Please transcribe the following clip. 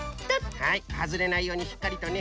はいはずれないようにしっかりとね。